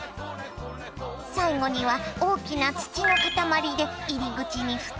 最後には大きな土の塊で入り口に蓋。